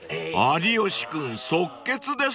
［有吉君即決ですね］